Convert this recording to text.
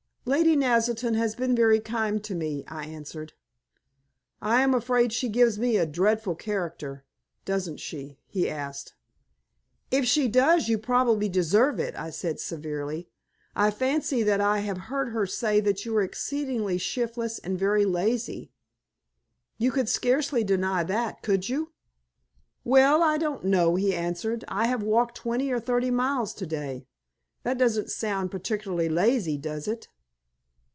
"Lady Naselton has been very kind to me," I answered. "I am afraid she gives me a dreadful character, doesn't she?" he asked. "If she does you probably deserve it," I said, severely. "I fancy that I have heard her say that you are exceedingly shiftless and very lazy. You could scarcely deny that, could you?" "Well, I don't know," he answered. "I have walked twenty or thirty miles to day. That doesn't sound particularly lazy, does it?"